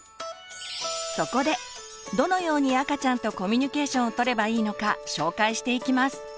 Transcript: そこでどのように赤ちゃんとコミュニケーションをとればいいのか紹介していきます。